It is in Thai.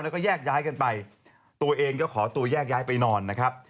แล้วก็แยกย้ายกันไปตัวเองก็ขอตัวแยกย้ายไปนอนนะครับ